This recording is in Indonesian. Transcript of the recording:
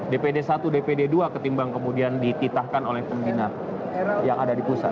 dpd satu dpd dua ketimbang kemudian dititahkan oleh pembina yang ada di pusat